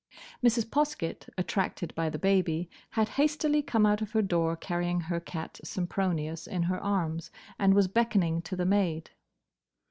Chck! chck!" Mrs. Poskett, attracted by the baby, had hastily come out of her door carrying her cat, Sempronius, in her arms, and was beckoning to the maid.